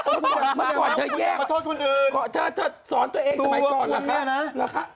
เมื่อก่อนเธอแยกสอนตัวเองสมัยก่อนเหรอคะ